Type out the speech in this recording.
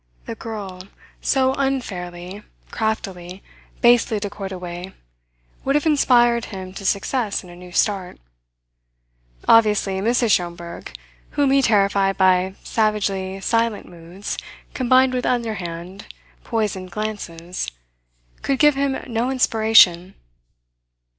The girl so unfairly, craftily, basely decoyed away would have inspired him to success in a new start. Obviously Mrs. Schomberg, whom he terrified by savagely silent moods combined with underhand, poisoned glances, could give him no inspiration.